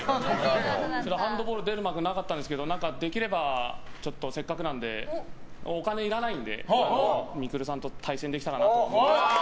ハンドボール出る幕なかったんですけどできれば、せっかくなんでお金いらないんで未来さんと対戦できたらなと。